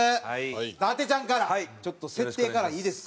伊達ちゃんからちょっと設定からいいですか？